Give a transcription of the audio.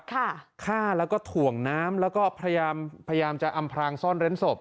ฆ่าแล้วก็ถ่วงน้ำแล้วก็พยายามพยายามจะอำพรางซ่อนเร้นศพ